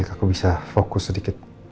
aku bisa fokus sedikit